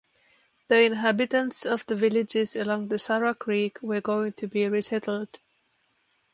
The inhabitants of the villages along the Sara Creek were going to be resettled.